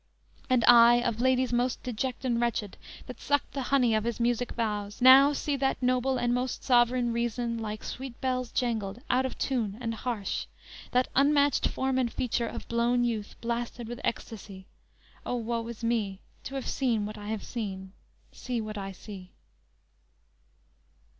And I, of ladies most deject and wretched, That sucked the honey of his music vows, Now see that noble and most sovereign reason, Like sweet bells jangled, out of tune and harsh; That unmatched form and feature of blown youth, Blasted with ecstacy: O, woe is me, To have seen what I have seen, see what I see."